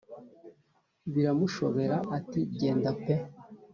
biramushobera ati genda pe